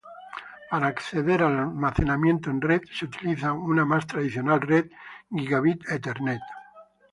Para acceder al almacenamiento en red se utiliza una más tradicional red Gigabit Ethernet.